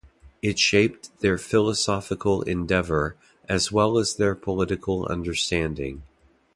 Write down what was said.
It shaped their philosophical endeavor, as well as their political understanding.